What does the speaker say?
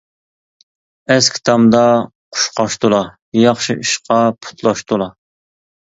ئەسكى تامدا قۇشقاچ تولا، ياخشى ئىشقا پۇتلاش تولا.